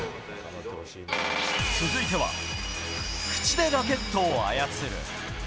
続いては口でラケットを操る。